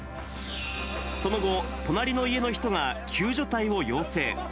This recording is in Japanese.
その後、隣の家の人が救助隊を要請。